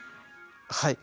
はい。